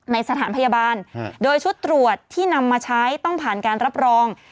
สถานพยาบาลโดยชุดตรวจที่นำมาใช้ต้องผ่านการรับรอง